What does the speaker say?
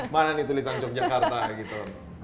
mana nih tulisan yogyakarta gitu